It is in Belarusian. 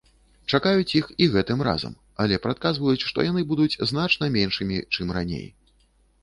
Чакаюць іх і гэтым разам, але прадказваюць, што яны будуць значна меншымі, чым раней.